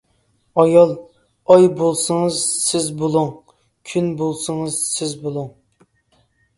ئايال: ئاي بولسىڭىز سىز بۇلۇڭ، كۈن بولسىڭىز سىز بۇلۇڭ.